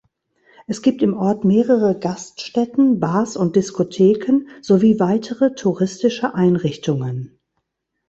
Es gibt im Ort mehrere Gaststätten, Bars und Discotheken sowie weitere touristische Einrichtungen.